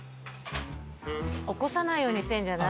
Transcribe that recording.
起こさないようにしてるんじゃない？